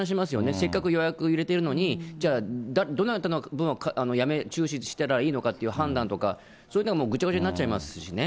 せっかく予約を入れているのに、じゃあどなたの分を中止したらいいのかっていう判断とか、そういうのがもうぐちゃぐちゃになっちゃいますしね。